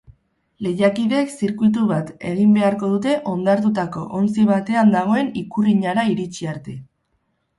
Lehiakideek zirkuitu bat egin beharko dute hondartutako ontzi batean dagoen ikurrinara iritsi arte.